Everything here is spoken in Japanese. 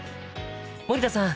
森田さん